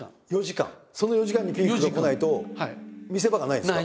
その４時間にピークがこないと見せ場がないんですか？